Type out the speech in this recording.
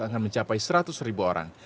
akan mencapai seratus ribu orang